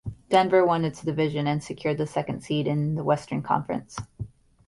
Denver won its division and secured the second seed in the Western Conference.